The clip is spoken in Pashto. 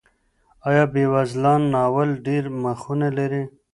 آیا بېوزلان ناول ډېر مخونه لري؟